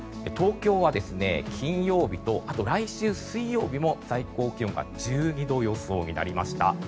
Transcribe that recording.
東京は金曜日と来週水曜日も最高気温が１２度予想になりました。